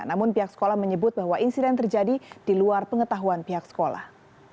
namun pihak sekolah menyebut bahwa insiden terjadi di luar pengetahuan pihak sekolah